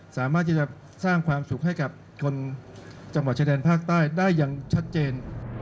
สามารถที่จะสร้างความสุขให้กับคนจังหวัดชายแดนภาคใต้ได้อย่างชัดเจน